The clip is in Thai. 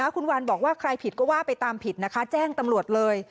คุณวันบอกว่าใครผิดก็ว่าไปตามผิดนะคะแจ้งตำรวจเลย